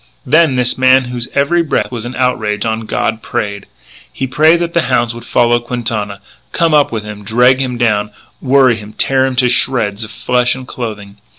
Then this man whose every breath was an outrage on God, prayed. He prayed that the hounds would follow Quintana, come up with him, drag him down, worry him, tear him to shreds of flesh and clothing.